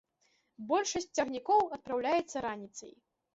Большасць цягнікоў адпраўляецца раніцай.